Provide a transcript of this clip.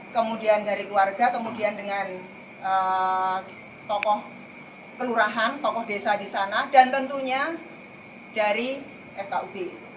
kemudian dari keluarga kemudian dengan tokoh kelurahan tokoh desa di sana dan tentunya dari fkub